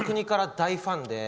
大ファンで。